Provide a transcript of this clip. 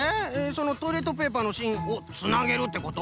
そのトイレットペーパーのしんをつなげるってこと？